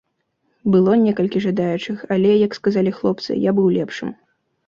Было некалькі жадаючых, але, як сказалі хлопцы, я быў лепшым.